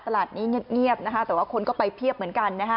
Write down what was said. ตลาดนี้เงียบนะคะแต่ว่าคนก็ไปเพียบเหมือนกันนะฮะ